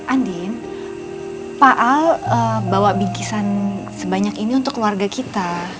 andin pak al bawa bingkisan sebanyak ini untuk keluarga kita